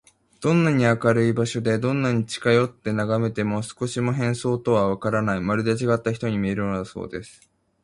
どんなに明るい場所で、どんなに近よってながめても、少しも変装とはわからない、まるでちがった人に見えるのだそうです。